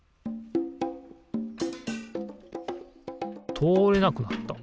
とおれなくなった。